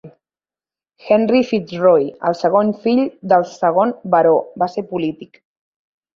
Henry FitzRoy, el segon fill del segon baró, va ser polític.